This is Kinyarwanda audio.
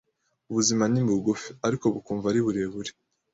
Ubuzima ni bugufi, ariko bukumva ari burebure.